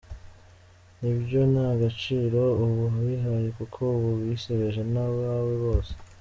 Ni byo nta gaciro uba wihaye, kuko uba wisebeje n’abawe bose.